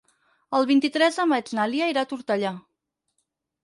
El vint-i-tres de maig na Lia irà a Tortellà.